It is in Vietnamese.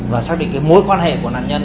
và xác định mối quan hệ của nạn nhân